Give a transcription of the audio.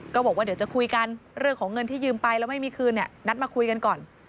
ก็บอกว่าเดี๋ยวจะคุยกันเรื่องของเงินที่ยืมไปแล้วไม่มีคืนเนี่ยนัดมาคุยกันก่อน